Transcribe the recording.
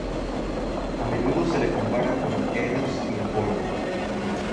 A menudo se le compara con Eros y Apolo.